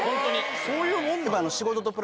そういうもん？